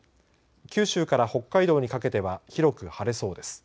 九州から北海道にかけては広く晴れそうです。